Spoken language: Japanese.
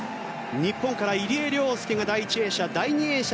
日本から入江陵介が第１泳者。